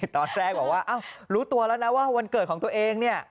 ตอนแรกบอกว่ารู้ตัวแล้วนะว่าวันเกิดของตัวเองเนี่ย